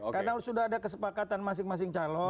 karena sudah ada kesepakatan masing masing calon